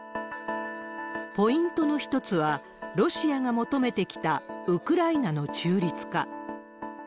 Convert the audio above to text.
ポイントの一つは、ロシアが求めてきたウクライナの中立化。